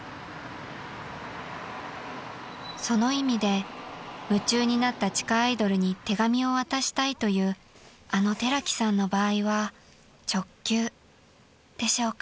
［その意味で夢中になった地下アイドルに手紙を渡したいというあの寺木さんの場合は直球でしょうか］